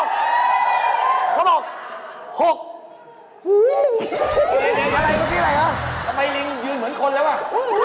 ทำไมลิงยืนเหมือนคนแล้วล่ะ